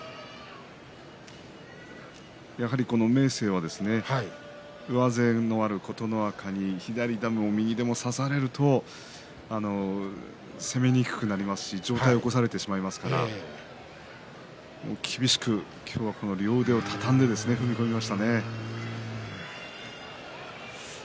やはり明生は上背のある琴ノ若に左でも右でも差されると攻めにくくなりますし上体を起こされてしまいますから厳しく今日は両腕を畳んで踏み込みましたね。